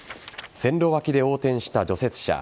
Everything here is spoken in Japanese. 線路脇で横転した除雪車。